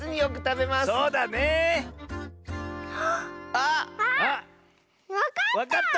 あっわかった！